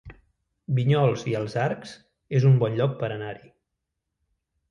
Vinyols i els Arcs es un bon lloc per anar-hi